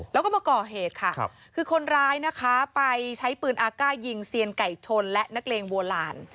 แล้วก็มาก่อเหตุค่ะคือคนร้ายนะคะไปใช้ปืนอากาศยิงเซียนไก่ชนและนักเลงโบราณ